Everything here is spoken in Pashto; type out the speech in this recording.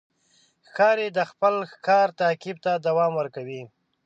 ښکاري د خپل ښکار تعقیب ته دوام ورکوي.